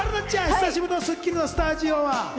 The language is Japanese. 久しぶりの『スッキリ』のスタジオは。